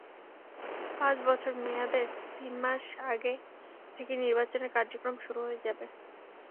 পঁাচ বছর মেয়াদের তিন মাস আগে থেকেই নির্বাচনের কার্যক্রম শুরু হয়ে যাবে।